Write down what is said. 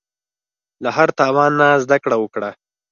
له هر تاوان نه زده کړه وکړه.